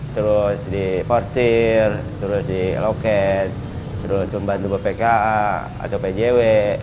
terus di portir terus di loket terus untuk bantu bpka atau pjw